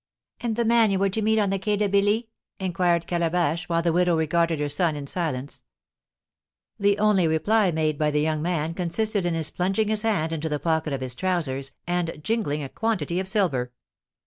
"And the man you were to meet on the Quai de Billy?" inquired Calabash, while the widow regarded her son in silence. The only reply made by the young man consisted in his plunging his hand into the pocket of his trousers, and jingling a quantity of silver.